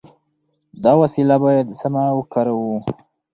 دا وسیله باید سمه وکاروو.